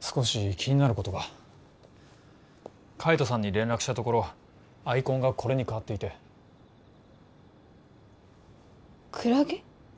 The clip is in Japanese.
少し気になることが海斗さんに連絡したところアイコンがこれに変わっていてクラゲ？